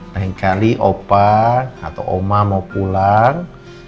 lain kali opa atau oma mau pulang